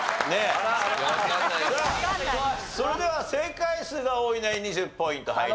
さあそれでは正解数が多いナインに１０ポイント入ります。